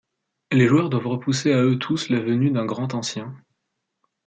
Les joueurs doivent repousser à eux tous la venue d'un Grand Ancien.